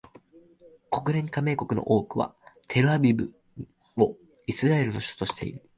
国連加盟国の多くはテルアビブをイスラエルの首都としている